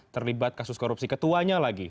terlibat kasus korupsi ketuanya lagi